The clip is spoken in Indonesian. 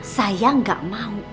saya gak mau